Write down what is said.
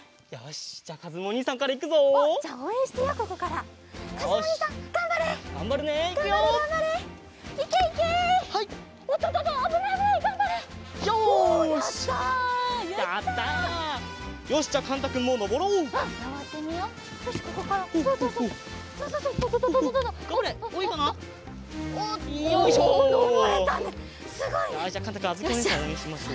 よしじゃあかんたくんあづきおねえさんおうえんしましょう。